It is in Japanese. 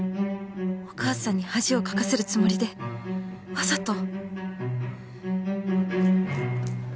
お母さんに恥をかかせるつもりでわざと